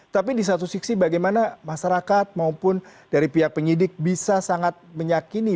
tapi di satu sisi bagaimana masyarakat maupun dari pihak penyidik bisa sangat meyakini